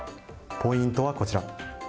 ポイントはこちら。